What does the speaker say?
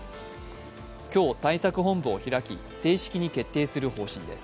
今日対策本部を開き正式に決定する方針です。